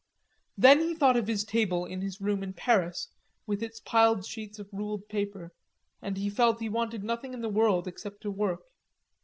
Then he thought of his table in his room in Paris, with its piled sheets of ruled paper, and he felt he wanted nothing in the world except to work.